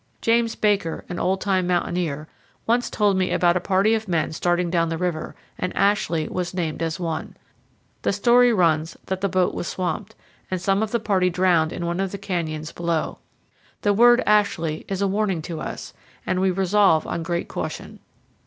James Baker, an old time mountaineer, once told me about a party of men starting down the river, and Ashley was FROM FLAMING GORGE TO THE GATE OF LODORE. 143 named as one. The story runs that the boat was swamped, and some of the party drowned in one of the canyons below. The word "Ashley" is a warning to us, and we resolve on great caution.